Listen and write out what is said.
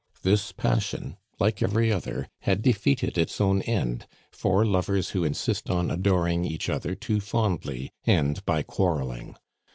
This passion, like every other, had defeated its own end, for lovers who insist on adoring each other too fondly end by quarreling.